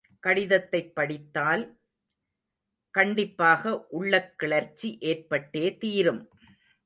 கடிதத்தைப் படித்தால் கண்டிப்பாக உள்ளக் கிளர்ச்சி ஏற்பட்டே தீரும்.